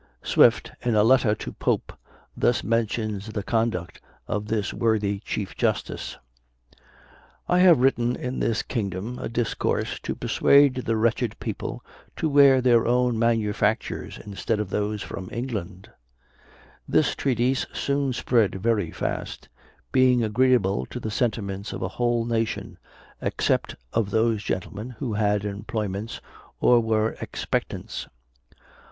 Swift, in a letter to Pope, thus mentions the conduct of this worthy Chief Justice: "I have written in this kingdom a discourse to persuade the wretched people to wear their own manufactures instead of those from England: this treatise soon spread very fast, being agreeable to the sentiments of a whole nation, except of those gentlemen who had employments, or were expectants.